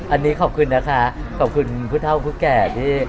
อันนี้ขอบคุณนะคะขอบคุณผู้เท่าผู้แก่ที่